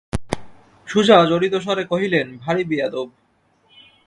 সুজা জড়িত স্বরে কহিলেন, ভারী বেআদব!